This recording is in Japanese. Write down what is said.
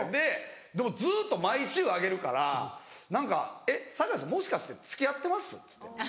でもずっと毎週上げるから何か「えっ酒井さんもしかして付き合ってます？」っつって。